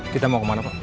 kita mau kemana pa